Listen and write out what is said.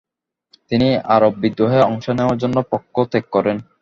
তিনি আরব বিদ্রোহে অংশ নেয়ার জন্য পক্ষ ত্যাগ করেন।